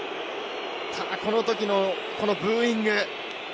ただ、このときのこのブーイング。